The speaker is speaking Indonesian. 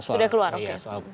sudah keluar oke